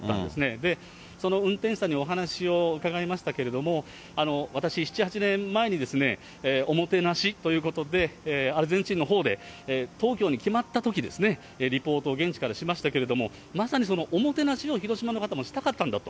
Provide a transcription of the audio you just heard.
で、その運転手さんにお話を伺いましたけれども、私、７、８年前におもてなしということで、アルゼンチンのほうで、東京に決まったときですね、リポートを現地からしましたけれども、まさに、そのおもてなしを広島の方もしたかったんだと。